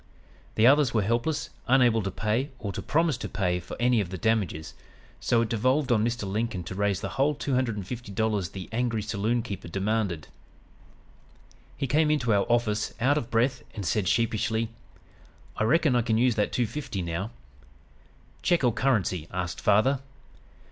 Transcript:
The others were helpless, unable to pay or to promise to pay for any of the damages, so it devolved on Mr. Lincoln to raise the whole two hundred and fifty dollars the angry saloon keeper demanded. "He came into our office out of breath and said sheepishly: "'I reckon I can use that two fifty now.' "'Check or currency?' asked father.